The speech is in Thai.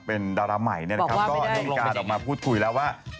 เป็นดาราใหม่นะครับก็อาฮิลิกาออกมาพูดคุยแล้วว่า